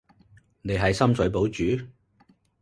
你喺深水埗住？